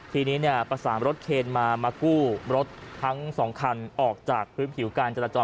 ทีนี้ประสามรถเคนมากู้รถทั้งสองคันออกจากพื้นผิวการจรรย์จอม